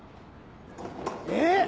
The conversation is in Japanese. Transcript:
えっ！